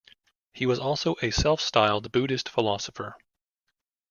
He was also a self-styled Buddhist philosopher.